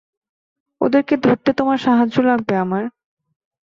ওদেরকে ধরতে তোমার সাহায্য লাগবে আমার।